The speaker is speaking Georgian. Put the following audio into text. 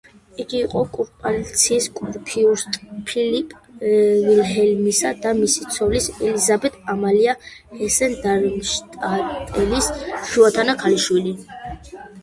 იგი იყო კურპფალცის კურფიურსტ ფილიპ ვილჰელმისა და მისი ცოლის, ელიზაბეთ ამალია ჰესენ-დარმშტადტელის შუათანა ქალიშვილი.